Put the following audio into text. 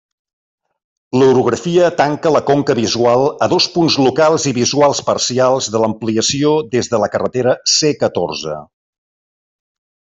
L'orografia tanca la conca visual a dos punts locals i visuals parcials de l'ampliació des de la carretera C catorze.